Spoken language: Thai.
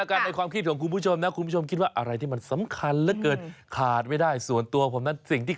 อันนั้นก็หายใจไม่ได้อันนี้